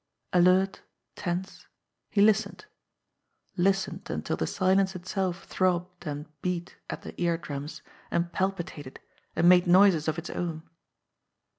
Alert, tense, he listened listened until the silence itself throbbed and beat at the ear drums, and palpitated, and made noises of its own.